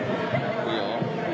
いいよ。